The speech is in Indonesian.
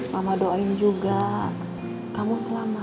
mama doain juga kamu selamat